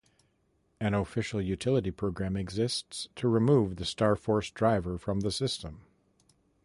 An official utility program exists to remove the StarForce driver from the system.